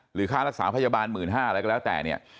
ค่ารักษาพยาบาล๑๕๐๐อะไรก็แล้วแต่เนี่ย